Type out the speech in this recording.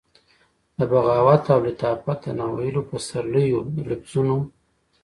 د بغاوت او لطافت د ناویلو پسرلیو د لفظونو،